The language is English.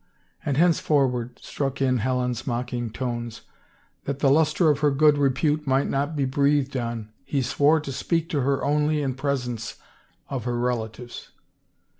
" And henceforward," struck in Helen's mocking tones, " that the luster of her good repute might not be breathed on, he swore to speak to her only in presence of her relatives.